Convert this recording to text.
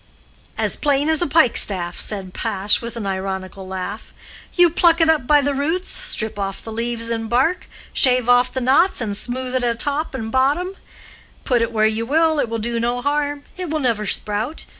"As plain as a pike staff," said Pash, with an ironical laugh. "You pluck it up by the roots, strip off the leaves and bark, shave off the knots, and smooth it at top and bottom; put it where you will, it will do no harm, it will never sprout.